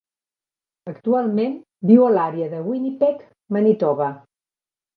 Actualment viu a l'àrea de Winnipeg, Manitoba.